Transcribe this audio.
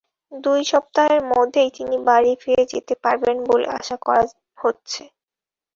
দুই সপ্তাহের মধ্যেই তিনি বাড়ি ফিরে যেতে পারবেন বলে আশা করা হচ্ছে।